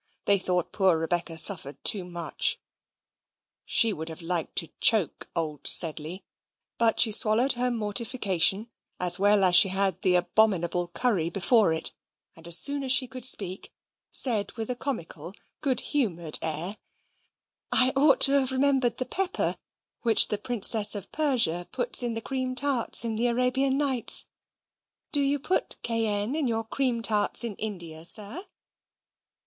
They thought poor Rebecca suffered too much. She would have liked to choke old Sedley, but she swallowed her mortification as well as she had the abominable curry before it, and as soon as she could speak, said, with a comical, good humoured air, "I ought to have remembered the pepper which the Princess of Persia puts in the cream tarts in the Arabian Nights. Do you put cayenne into your cream tarts in India, sir?"